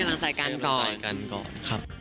แต่ว่าก็ให้กำลังใจกันก่อน